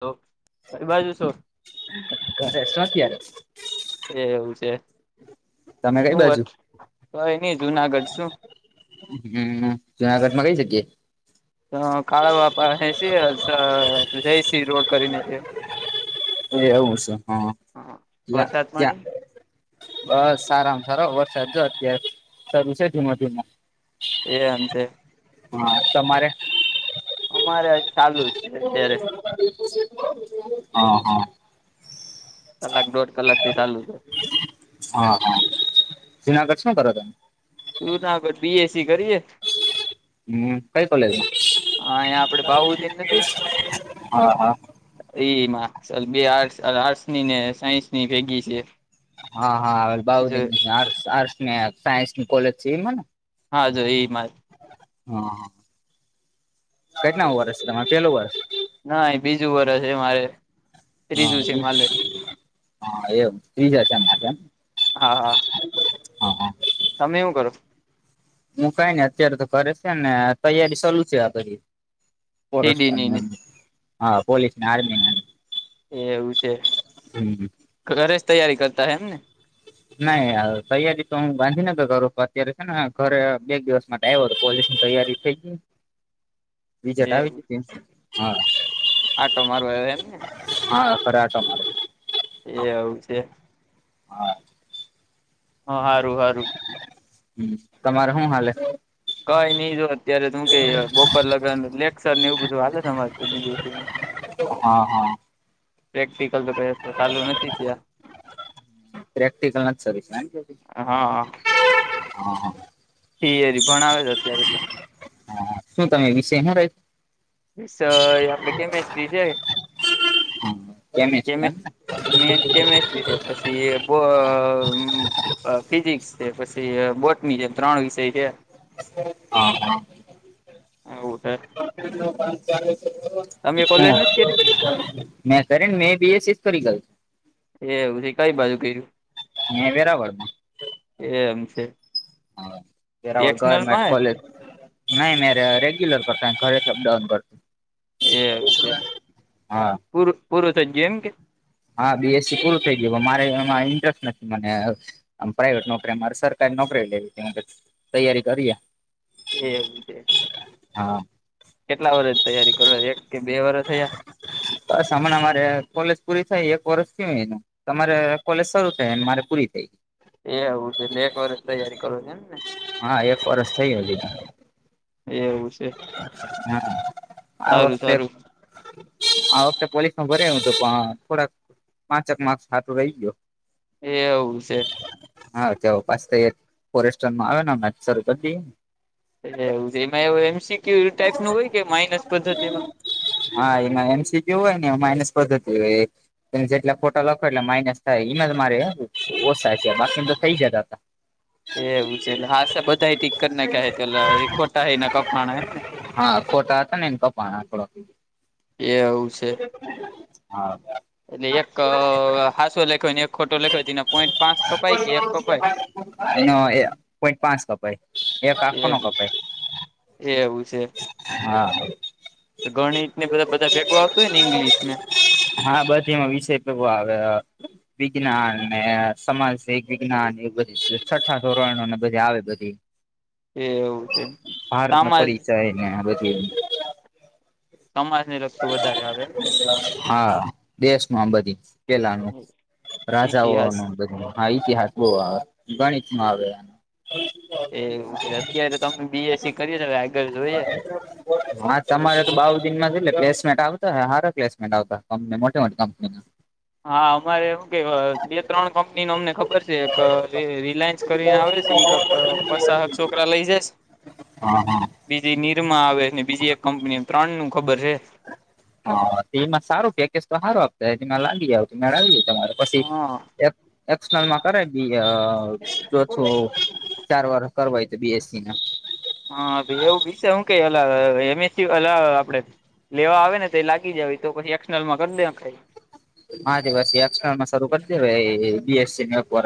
તો કઈ બાજુ છો? [unintelligible] એ એવું છે. તમે કઈ શું બાજુ? વટ વય નહી જુનાગઢ શું. હમ્મ જુનાગઢમાં કંઈ જગ્યે? હા કાળા બાપા હ છે અસલા જઈશી રોડ કરીને છે. તો એવું છે હા યા વરસાદ યા. પાણી બસ સારામાં સારો વરસાદ જો અત્યારે પડશે ધીમો ધીમો. એમ છે. હા તમારે? અમારે ચાલુ છ. હા, હા. કલાક દોઢ કલાકથી ચાલુ શે. હા હા જૂનાગઢ શું કર તમે? જુનાગઢ બી એસ સી કરીએ. હમ્મ, કઈ કોલેજમાં? અહી આપડે બાઉદીન હા હા. એ મા સલબે આર્ટ આર્ટસ અરે આટ્સની ને સાયન્સની ભેગી શે. હા હા હવે બાઉદની આર્ટસ આટ્સની ને સાયન્સની કોલેજ છે ઈમાને? હા જો ઈમાજ. હા. કેટલામું વર્ષ તમારે? પેલું વર્ષ. નઈ બીજું વરહ. તે મારે હા ત્રીજું છે એ માલે હા એમ ત્રીજા સેમમાં છે એમ. હા હા હા હા. તમે હું કરો? હું કાઈ નઈ અત્યારે તો ઘરે શે ને તૈયારી ચાલુ શે આગળની. સીડી ફોરેસ્ટર ની ને હા પોલીસને આર્મીને એમ. એવું શે ઘરે જ તૈયારી કરતાં અહે એમને? નઈ તૈયારી તો હું ગાંધીનગર કરું અત્યારે હેને ઘરે બે એક દિવસ મા ડાઈવર પોલીસની તૈયારી થઈ ગઈ? [inaudible] રીઝલ્ટ આવી ગયું પ્રિન્સનુ? હા. આ તમારું આયુ એમ ને? હા ખરા આટા મારું. એ આવું છે. હા. હ હારું હારું. હમ્મ, તમારે હું હાલે? કઈ ની જો ત્યારે તું હું કે બોપર લગન લેકચર ને એવું બધું હાલે ને અમાર તો બી જે પી માં. હા હા. પ્રેક્ટિકલ તો કયા હજુ તો ચાલુ નથી થયા. પ્રેક્ટિકલ નથ ચાલુ થયા એમ. હા થિયરી ભણાવે છે અત્યારે તો. હા શું તમે વિષય હું રાય વિષય આપડે કેમિસ્ટ્રી છે. કેમેસ્ટ્રી કેમે એમને મેઈન કેમિસ્ટ્રી છે પશી એ બો અ ફિઝિક્સ છે પછી અ બોટની છે એ ત્રણ વિષય છે. હ હ. એવું છે તમે કોલેજ નથી કરી હમ્મ, મે કરીને મેં એ બી એસ સી કરી [unintelligible] એવું છે કઈ બાજુ કર્યું? મેં વેરાવળમાં એમ છે. હ વેરાવલ ગવર્મેન્ટ એક્સનલમાં કોલેજ. નઈ નઈ રે રેગ્યુલર કરતાં ઘરેથી અપડાઉન કરતો. એવુ છે હા પૂરું પૂરું થયું ગયું એમ કે? હા બી એસ સી પૂરું થઈ ગયું મારે એમાં ઈન્ટરેસ્ટ નથી મને. આમ પ્રાાઈવેટ નોકરી અમારે સરકારી નોકરી લેવી છે પછી તૈયારી કરીએ. એવું છે. હા. કેટલા વરષ તૈયારી કરો એક કે બે વરષ થયા? બસ હમણા મારે કોલેજ પૂરી થઈ એક વર્ષ થયુ એનું તમારે કોલેજ શરૂ થઈ અને મારે પૂરી થઈ. એ એવું છે એટલે એક વરસ તૈયારી કરો છો એમને. હા એક વરષ થઈ હજી તો. એવું છે. હમ આ સારું વખતે સારું આ વખતે પોલીસમાં ભર્યું હતું પણ થોડાક પાંચક માર્કસ હારુ રહી ગયો. એવું છે. હા ત પાસે ફોરેસ્ટનમાં આવે. [unintelligible] એ એવું એમાં એ એમસીક્યુ ટાઈપ નું હોય કે માઇનસ પદ્ધતિમાં. હા એમાં એમસી જેવું હોય ને માઇનસ પદ્ધતિ હોય એ. જેટલા ફોટા લખો એટલે માઇનસ થાય એમાં મારે ઓછાય છે બાકી તો થઇ જતા હતા. એવું છે હ બધા ટીકટ ના ક્યાયો હા ખોટા હતા ને એને કપના થોડાં. એવું છે હા. એટલે એક હસો લખાયને એક ખોટો લખાય તેને પોઈન્ટ પાંચ કપાય કે એક કપાય? પોઈન્ટ પાંચ કપાઈ, એક આખો નો કપાય. આવું છે. હા. ગણિત બધા બધા ભેગો હો ને. હા બધ એમાં વિષય પે આવે. વિજ્ઞાન ને સમાજ વિજ્ઞાન એ બધ છઠ્ઠા ધોરણો ને બધી આવે બધી. એ એવું છે એમ. ભારત ન પરિચય ને આ બધ. સમાજને લગતું વધારે આવે એમને હા. દેશ ન આ બધી પેલા ન રાજાઓ ઇતિહાસ ન બધું. હા ઇતિહાસ બહ આવે ગણિત નમાં આવે. એવું છે અત્યારે તમમે બી એસ સી કરીએ છેવે આગળ જોઈએ. હા તમારે તો બાવ દિનમાં જ એટલે પ્લેસમેન્ટ આવતા સાર પ્લેસમેન્ટ આવતા કંપની મોટી મોટી કંપનીમાં. [inaudible] હા અમારે એવું કે બે ત્રણ કંપની ન અમને ખબર છે એક રિલાયન્સ કરીને આવે છે એક પસા હક છોકરા લઇ જઈશ. હા હા. બીજી નિનીરમા આવે ને બીજી એક કંપની ત્રણ નું ખબર છે. હા તેમાં સારું પેકેજ તો સારું આપતામાં લાગી લાવી તમારે પછી. હા એક્સનલ માં કરે દ જો છું. ચાર વાર કરવાય તો બી એસ સી ના. હા એવું બી છે હું કઈ એમ એ સી હલા આપડે લેવા આવે ને તો એ જાય તો પછી કરી દે ખાઈ. હા પછી એક્લમાં શરૂ કરતી બી એસ સી પ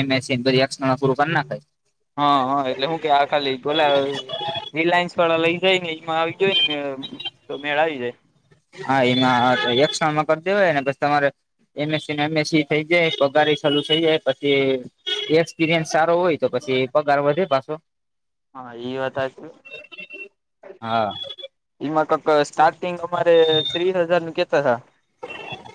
એમ એસ સીધ ું નાાય. [unintelligible] હા હા એટલે હું કે આ ખાલી બોલા હારુ. રિલાયન્સ વાળા લઈ જાય ને એમાં આવી જઈ ને મે તો મેળ આવી જાય. હા એમાં હા એકસ્ટ્રામાં કરી દેવાય ને બ તમારે એમસીને એમસસી થઈ જાય પગારી ચાલુ થઈ જાય. પછી એક્સપીરિયન્સ સારો હોય તો પછી પગાર વધે પાછો. હા એ વાત સાચી. હા એમાં કક સ્ટાર્ટિંગ અમારે ત્રીસ હજાર નું કેતા થા.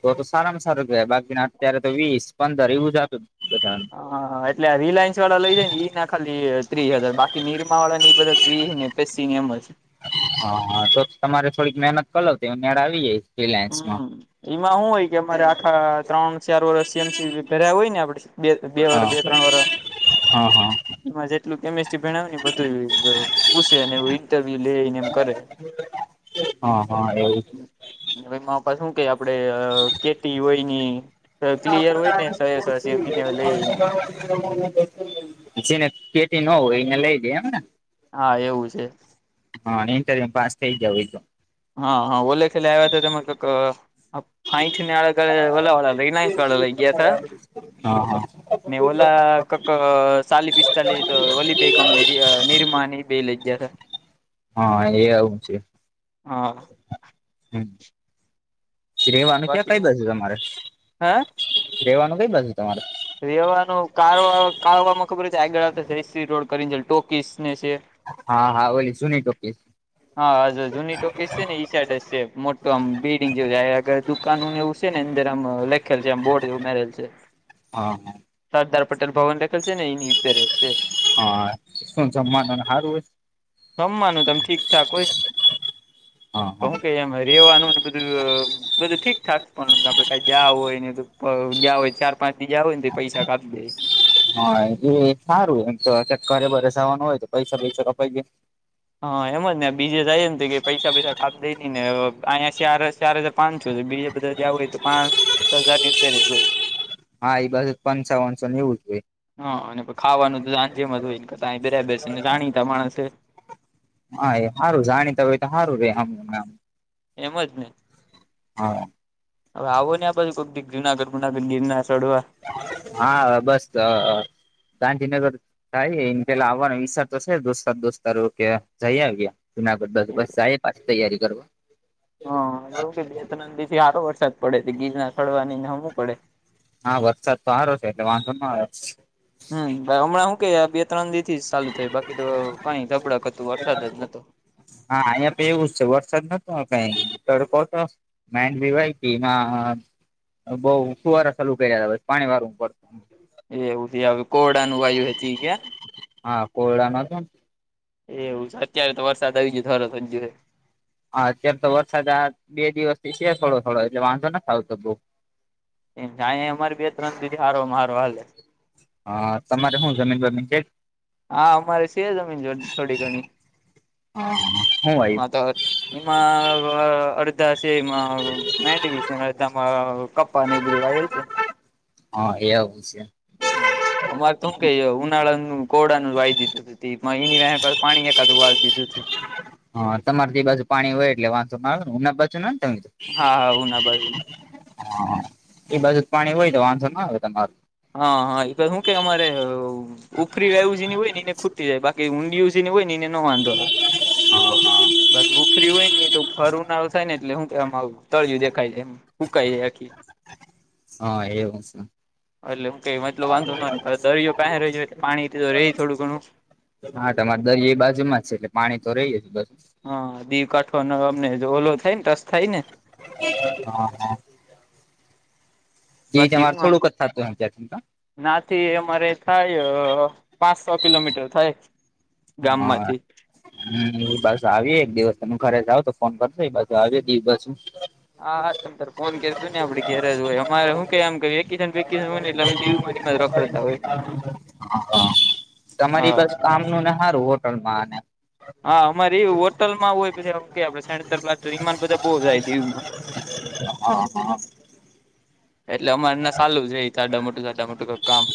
તો તો સારામાં સારું ગ બાકીના અત્યારે તો વીસ પંદર એવું જતું બા. હાા એટલે રિલાયન્સ વાળા લઈ જાય ને ઈ ના ખાલી ત્રીસ હજાર બાકી નિરમા વાળા ને બધા વીહ ને. પિંગ એમ જ. હ હા તો તમારે થોડીક મહેનત કર લાવ તો નેળા આવી જઈશ. હમ એમાં શું હોય કે અમારે આખા ત્રણ ચાર વર્ષ સીમસી પર્યા હોય ને આપડે. બે બે વર હા બે ત્રણ વર. હા હા. એમાં જેટલું કેમિસ્ટ્રી ભણાવ ને બધું. પૂછો, એવું ઇન્ટરવ્યૂ લે ને એમ કરે. હા હા એવું જ. ભાઈ, માપ શું આપણે હોય ને. તો ક્લિયર હોય ને સસસી મહિને લઈને. જેને પેટી ન હોય એને લઈ દઈ એમને. હા એવું જ છે. હા ઇન્ટરવ્યૂમાં થઈ જાય તો. હા હા ઓલા આવ્યા હતા મતલબ ગઈ કાલે ઓલા વાળા લાયન્સ વાળા લઈ ગયા હતા હા હા ને, ઓલા પછી કકસાલી પીસસલી તો વળી બે નિર્માણી બેલ ગયા હતા. હા એ હું છું. હા. હા, શું કહેવા બાકી માંગો છો? હ રહેવાનું કઈ બાજુ તમારે? રહેવાનું કયા કામમાં ખબર છે? આગળ તો રોડ કરીને ટોકીઝને છે. હા હા, ઓલી નહીં જુની ટૉકીઝ. હા, હા, જૂની છે ને, શર્ટ છે મોટું આમ બિલ્ડિંગ જેવું. કાનૂન એવું છે ને અંદર આમ લખેલું છે આમ બોર્ડ એવું મૂકેલું છે. હા. સરદાર પટેલ ભવન રાખેલું છે ને એની પાસે છે. હા શું જવાનું સારું? રમવાનું તમે ઠીકઠાક હોય. હા કહું હા કે એમ રહેવાનું ને બધું બધું ઠીકઠાક, પણ આપણે કંઈ ગયા હોય ને બધા ગયા હોય ચાર પાંચ-છ હોય તો પૈસા કાઢે. હા, એ સારું. એમ તો ચક્કરે બેસવાનું હોય તો પૈસા કપાઈ જાય. હા, એમ જ ને. બીજે થાય એમ કે પૈસા-પૈસા કાપી દે, અને અહીંયા ચાર-ચાર હજાર. પાંચસો બીજા બધા જ હોય તો પાંચ હજારની ઉપર જ હોય. હા, એમાં પચીસસો ને એવું જોઈએ. હા, અને ખાવાનું તો સાંજે જ હોય ને ક્યાં બરાબર છે ને જાણીતા માણસે. હા, એ સારું જાણીતા હોય તો સારું રહે એમ. એમ જ ને. હા. હવે આવો ને આ બાજુ કોક દી જુનાગઢ બૂનાગઢ ગીરનાર ચડવા. હા હવે બસ ત ગાંધીનગર થાય એ પહેલાં આવવાનો વિચાર તો આવવાનો છે દોસ્તાર દોસ્તારો કે જઈ આવ્યે. જુનાગઢ બાજુ [unintelligible] પાછી તૈયારી કરવુ હા. હા અમના હું બે ત્રણ દી થી આવે વરસાદ પડે તે ગિરનાર ચડવાની ના નો પડે. હા, વરસાદ તો હારો છે એટલે વાંધો ન આવે. હા, હમણાં શું કે બે-ત્રણ દિવસથી ચાલુ થયો, બાકી તો પાણી ધબળક હતું, વરસાદ જ નતો. હા, અહીં પણ એવું જ છે. વરસાદ નોતો કંઈ તડકો હતો. મેં જીવાય કે ના અયા બો ફૂવારા ચાલુ કર્યા પાણી વાળું પડતું. એવું ક્યાંનું કોઢનું વાયુ વધી ગિયા હા, કોયડામાં છે ને એવું છે, અત્યારે તો વરસાદ આવી ગિયો તો સારું જ જો. હા, અત્યારે તો વરસાદ આ બે દિવસથી છે થોડો-થોડો એટલે વાંધો નથ આવતો બો. એ જ અયા અમારી બે ત્રણ દી હારો મારો હાલે આ હા તમારે હું જમીન બમીન છે? હા અમારે છે જમીન થોડી ઘણી હા હું આવ્યું [unintelligible] એમાં અડધા છે એમાં મેડવી છે અડધા માં કપ પા ને એવું બધું વાયેલ છે. હા એ આવું છે હા અમારે તો હું કેય ઉનાળાનું કોળા નું વાઈ દીધું તું તે એ પાણી એકાદું વાળી દીધું તું. હા તમાર તે બાજુ પાણી હોય એટલે વાંધો ના આવે અમાર બાજુ ના હોય. હા હું ના બાજુ નું હા એ બાજુ જ પાણી હોય તો વાંધો ના આવે તમારું. હા હા એ તો હું કેય અમારે ઉપરી રાયવુ જેની હોય એને ખુ ખૂંચતી હોય બાકી ઊંડીયુ જેને હોય ને એને ન વાંધો આવે. બાકી ઉખરી હોય ને તો ફરું ના થાય ને એટલે હું એ તળયું દેખાય જાય એમ. સુકાય જાય આખી. હા એવું સે. એટલે હું કઈ મતલબ વાંધો ન દરિયો પાહે રેય પાણીથી તો રેય થોડું ઘણું. હા તમારે દરિયા એ બાજુમાં છે એટલે પાણી તો રેય આજુબાજુ હા દીવ કાઠોનો અમને ઓલો થાય ને ટચ થાય ને હા હા. તે બાકી તમારે હું થોડુંક જ થતું [unintelligible] નાથી અમારે થાય પાંચસો કિલોમીટર થાય. ગામ હા. માંથી હમમ બસ આવયે એક દિવસ તમે ઘરે જાઉ તો ફોન કરજો આવ્યે દીવ બાજુ હા તમ તારે ફોન કરજો ને આપડે ઘેરે જ હોય અમારે શું કેવાય વેકેશન બેકેશન હોય ને એટલે અમે દીવ પાણી માં રખડતા હોય. હા તમારી હા બાજુ કામનું ને હારું હોટલમાં ને હા અમારી હોટલમાં હોય પછી એમ કે [unintelligible] માં ટ્રી માં ને બો જાય દીવ માં હા હા. એટલે અમારેને ચાલુંસ હોય સા મોટું સા મોટું કઈ કામ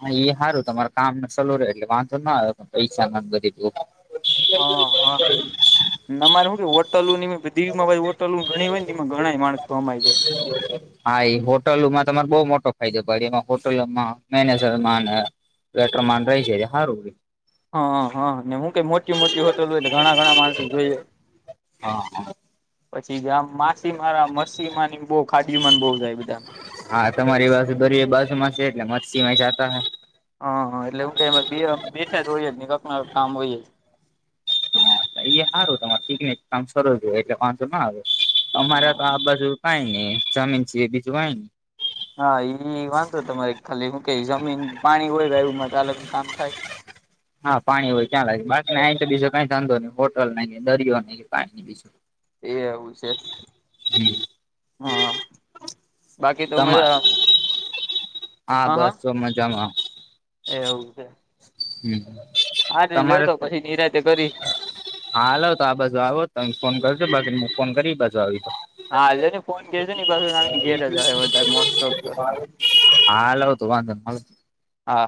હા એ સારું તમારે કામ સલું રહે એટલે વાંધો ના આવ્યો પૈસા બધી ત. હા, હામારે શું કે હોટલું દેવીમાં ભાઈ હોટલું ઘણી હોય ને એમાં ઘણા માણસ ગમાય જાય. હા એ હોટલોમાં તમારે બહુ મોટો ફાયદો થ એમાં હોટલોમાં મેનેજરમાં. વેટરમાન રહી છે સારું. હા હ હા હું કઈ મોટી મોટી હોટલ હોય તો ઘણા ઘણા માણસો જોઈએ. હા. પછી જે આમ માછ મારા માસીમા બહુ ખાડીુમાન બહુ જાય બધા. હા તમારી પાસેુ દર બાસુમાં છે એટલે મત્છમાં જતા હ. હા હા એટલે હું ક બેઠા જ હોઈએ જ કક કામ હોય. હા એ સારું તમારે ઠીક ને કામ સર જો એટલે વાંધો ના આવે, અમારે હા તો આ બાજુ ક ન ચમીન છ એ બીજું કઈ. હા એ તમારે ખાલી શું કે જમીન પાણી હોય એમાંલક કામ થાય. હા પાણી હોય્યાં લાગે બાકીને અ તો બીજો કઈ ધંધો નઈ હોટલ નઈ દરયો નઈ પાણી બીજું. એ એવું છે. હમ. હા. તો તમા મા હા. બસ જો મજામાં એવું છે. હમ. હા લેતો પછી નિનીરાતે કરી. હા હાલો તો આ બાજુ આવો તો ફોન કરજો બાકી ફોન કરી બાજુ આવી. હા લ્યો ને ફોન કરજો ને પાછો આવીને ઘેર જ હશે વધારે મોસ્ટ ઓફ તો હાલો. તો વાંધ હા